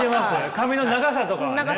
髪の長さとかがね。